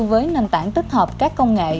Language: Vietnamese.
với nền tảng tích hợp các công nghệ